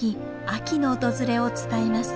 秋の訪れを伝えます。